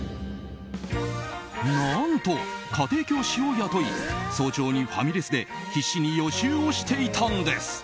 何と、家庭教師を雇い早朝にファミレスで必死に予習をしていたんです。